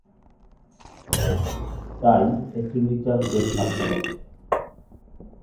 তাই এ চিংড়ি চাষ বেশ লাভজনক।